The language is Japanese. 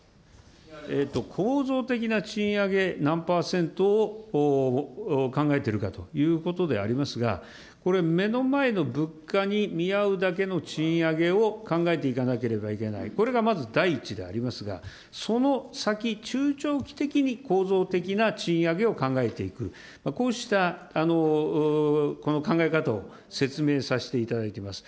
構造的な賃上げ何％を考えているかということでありますが、目の前の物価に見合うだけの賃上げを考えていかなければいけない、これがまず第一でありますが、その先、中長期的に構造的な賃上げを考えていく、こうした考え方を説明させていただいています。